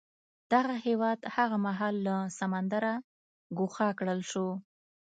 دغه هېواد هغه مهال له سمندره ګوښه کړل شو.